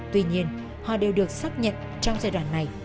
tuy nhiên họ đều được xác nhận trong giai đoạn này